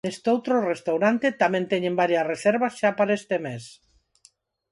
Nestoutro restaurante tamén teñen varias reservas xa para este mes.